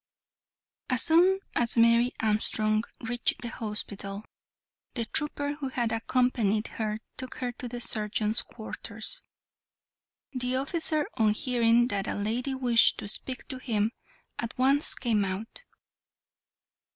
As soon as Mary Armstrong reached the hospital, the trooper who had accompanied her took her to the surgeon's quarters. The officer, on hearing that a lady wished to speak to him, at once came out.